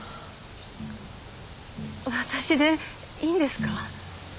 私でいいんですか？